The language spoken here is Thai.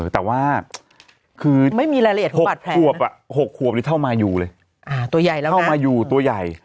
แต่ว่า๖ควบเท่ามายูเลยเท่ามายูตัวใหญ่